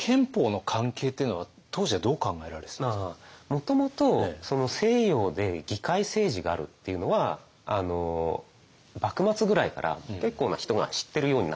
もともと西洋で議会政治があるっていうのは幕末ぐらいから結構な人が知ってるようになってたんですよね。